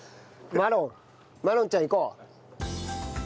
マロンちゃんいこう。